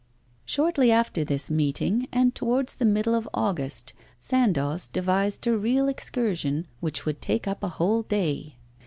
Shortly after this meeting, and towards the middle of August, Sandoz devised a real excursion which would take up a whole day.